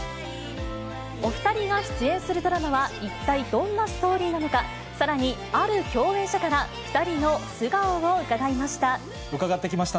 お２人が出演するドラマは、一体どんなストーリーなのか、さらに、ある共演者から２人の素顔を伺いました。